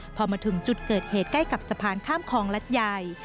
พอมาถึงจุดเกิดเหตุใกล้กับสะพานข้ามคลองลัดใหญ่